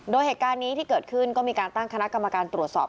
โดยเหตุการณ์นี้ที่เกิดขึ้นก็มีการตั้งคณะกรรมการตรวจสอบ